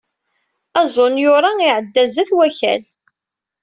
Azunyur-a iɛedda sdat Wakal.